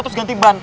terus ganti ban